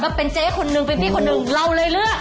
ให้เลือก